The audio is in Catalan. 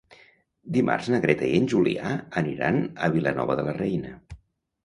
Dimarts na Greta i en Julià aniran a Vilanova de la Reina.